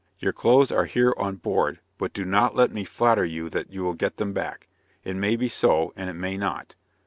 Your clothes are here on board, but do not let me flatter you that you will get them back; it may be so, and it may not.